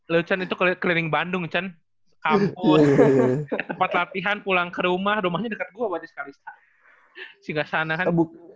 lu itu keliling bandung kan kampus tempat latihan pulang ke rumah rumahnya deket gua bapak jis kalista singgah sana kan